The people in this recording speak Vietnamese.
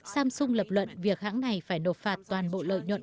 samsung lập luận việc hãng này phải nộp phạt toàn bộ lợi nhuận